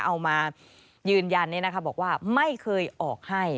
เอามายืนยันเนี่ยนะคะบอกว่าไม่เคยออกให้